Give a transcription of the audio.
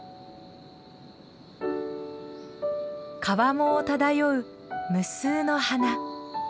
川面を漂う無数の花。